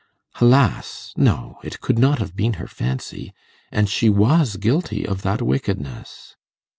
Alas! no; it could not have been her fancy, and she was guilty of that wickedness.